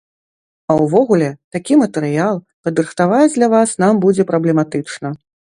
А ўвогуле, такі матэрыял падрыхтаваць для вас нам будзе праблематычна.